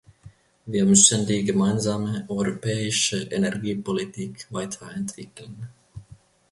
Wir müssen die gemeinsame europäische Energiepolitik weiterentwickeln.